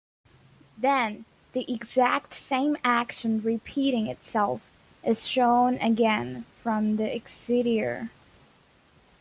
Then the exact same action repeating itself is shown again from the exterior.